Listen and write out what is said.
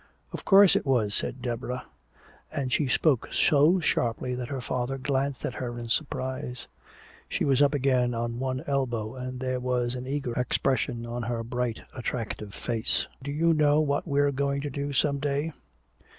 "Of course it was," said Deborah. And she spoke so sharply that her father glanced at her in surprise. She was up again on one elbow, and there was an eager expression on her bright attractive face. "Do you know what we're going to do some day?